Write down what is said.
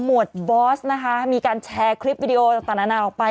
วดบอสนะคะมีการแชร์คลิปวิดีโอต่างนานาออกไป